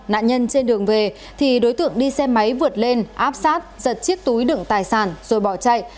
nạn nhân trên đường về thì đối tượng đi xe máy vượt lên áp sát giật chiếc túi đựng tài sản rồi bỏ chạy